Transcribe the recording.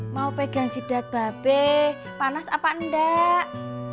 mau pegang sidat bape panas apa enggak